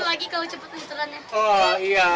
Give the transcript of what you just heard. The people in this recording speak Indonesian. seru lagi kalau cepet linturannya